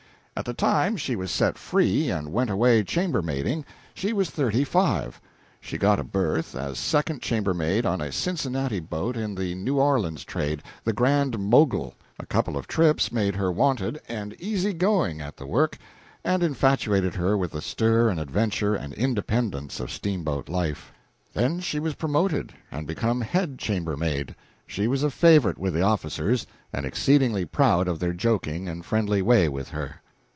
At the time she was set free and went away chambermaiding, she was thirty five. She got a berth as second chambermaid on a Cincinnati boat in the New Orleans trade, the Grand Mogul. A couple of trips made her wonted and easy going at the work, and infatuated her with the stir and adventure and independence of steamboat life. Then she was promoted and became head chambermaid. She was a favorite with the officers, and exceedingly proud of their joking and friendly way with her.